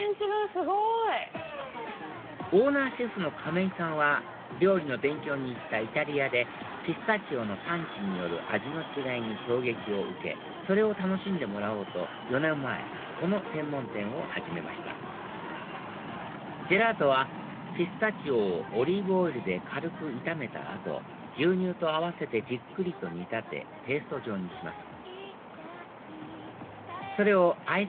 すごい！オーナーシェフの亀井さんは料理の勉強に行ったイタリアでピスタチオの産地による味の違いに衝撃を受けそれを楽しんでもらおうと４年前この専門店を始めましたジェラートはピスタチオをオリーブオイルで軽く炒めた後牛乳と合わせてじっくりと煮立てペースト状にします